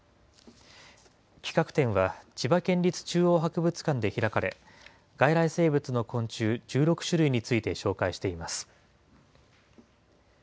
企画展は、千葉県立中央博物館で開かれ、外来生物の昆虫、１６種類について紹介しています。